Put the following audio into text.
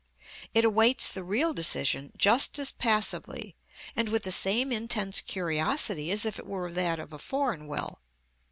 It awaits the real decision just as passively and with the same intense curiosity as if it were that of a foreign will.